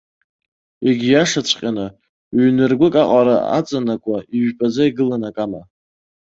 Егьиашаҵәҟьаны, ҩныргәык аҟара аҵанакуа ижәпаӡа игылан акама.